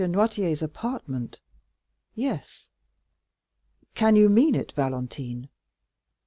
Noirtier's apartment?" "Yes." "Can you mean it, Valentine?"